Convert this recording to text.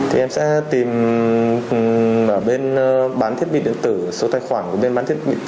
tùng sẽ tìm ở bên bán thiết bị điện tử số tài khoản của bên bán thiết bị điện tử